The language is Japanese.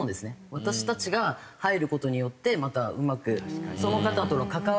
私たちが入る事によってまたうまくその方との関わり合いがあるし。